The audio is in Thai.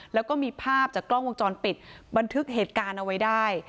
แล้วก็มีภาพจากกล้องวงจรปิดบันทึกเหตุการณ์เอาไว้ได้